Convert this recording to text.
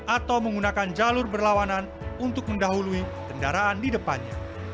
atau menggunakan jalur berlawanan untuk mendahului kendaraan di depannya